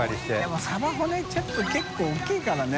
任サバ骨ちょっと結構大きいからね。